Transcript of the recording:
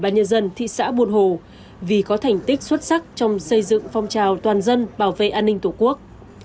bộ công an tỉnh an lạc thị xã buôn hồ vì có thành tích xuất sắc trong xây dựng phong trào toàn dân bảo vệ an ninh tổ quốc